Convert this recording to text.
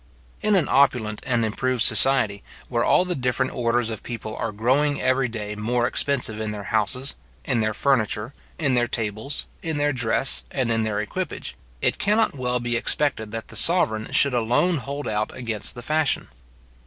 In an opulent and improved society, where all the different orders of people are growing every day more expensive in their houses, in their furniture, in their tables, in their dress, and in their equipage; it cannot well be expected that the sovereign should alone hold out against the fashion.